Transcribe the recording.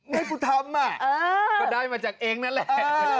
ไม่คุณทำอ่ะก็ได้มาจากเองนั่นแหละ